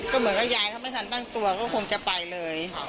ก็เหมือนกับยายเขาไม่ทันตั้งตัวก็คงจะไปเลย